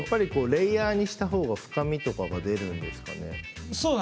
レイヤーにしたほうが深みが出るんですね。